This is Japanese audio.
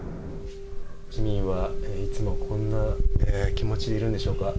市民はいつもこんな気持ちでいるんでしょうか。